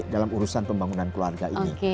dalam urusan pembangunan keluarga ini